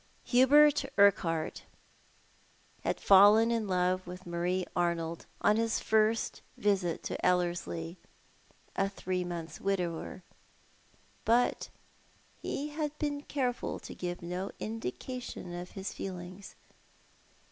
Hubert Urquhart had fallen in love with Marie Arnold on his first visit to Ellerslie, a three months' widower; but he had been careful to give no indication of his feelings.